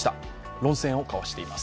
論戦を交わしています。